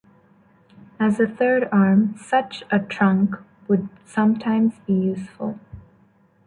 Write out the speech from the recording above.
As a third arm such a trunk would sometimes be useful.